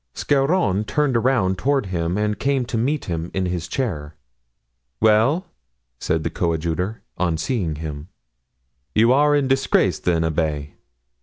Scarron turned around toward him and came to meet him in his chair. "Well," said the coadjutor, on seeing him, "you are in disgrace, then, abbé?"